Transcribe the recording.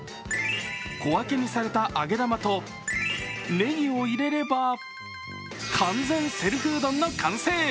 小分けにされた揚げ玉とねぎを入れれば完全セルフうどんの完成。